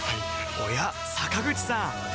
おや坂口さん